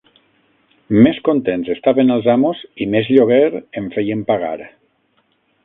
Més contents estaven els amos i més lloguer en feien pagar